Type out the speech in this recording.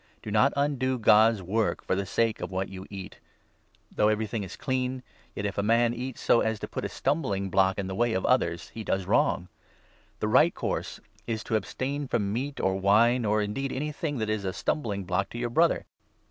Do not undo God's work for the sake of what you eat. Though 20 everything is 'clean,' yet, if a man eats so as to put a stumbling block in the way of others, he does wrong. The right course 21 is to abstain from meat or wine or, indeed, anything that is a stumbling block to your Brother.